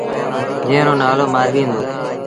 جݩهݩ رو نآلو مآروي هُݩدو۔